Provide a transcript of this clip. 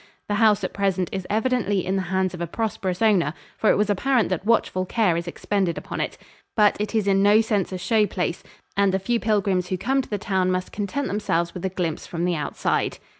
The house at present is evidently in the hands of a prosperous owner, for it was apparent that watchful care is expended upon it. But it is in no sense a show place and the few pilgrims who come to the town must content themselves with a glimpse from the outside.